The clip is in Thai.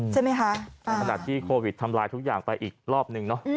ใช่ไหมคะในขณะที่โควิดทำลายทุกอย่างไปอีกรอบนึงเนอะ